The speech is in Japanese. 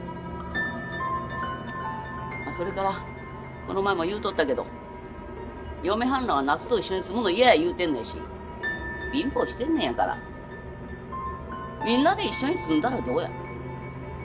あそれからこの前も言うとったけど嫁はんらはナツと一緒に住むの嫌や言うてんのやし貧乏してんねやからみんなで一緒に住んだらどうや？